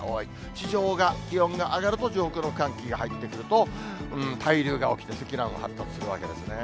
地上が、気温が上がると上空の寒気が入ってくると、うーん、対流が起きて積乱雲が発達するわけですね。